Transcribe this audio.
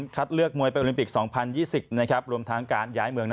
เลือกมวยไปโอลิมปิก๒๐๒๐รวมทั้งการย้ายเมือง